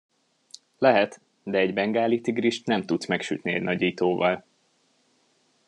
Lehet, de egy bengáli tigrist nem tudsz megsütni egy nagyítóval.